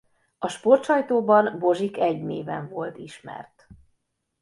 A sportsajtóban Bozsik I néven volt ismert.